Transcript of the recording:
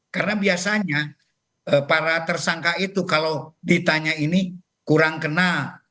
karena biasanya para tersangka itu kalau ditanya ini kurang kenal